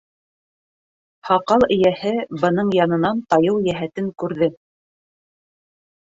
Һаҡал эйәһе бының янынан тайыу йәһәтен күрҙе.